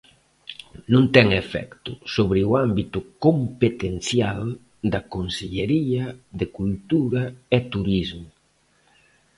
Non ten efecto sobre o ámbito competencial da Consellería de Cultura e Turismo.